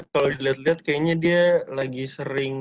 kalau dilihat lihat kayaknya dia lagi sering